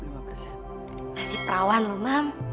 masih perawan loh mam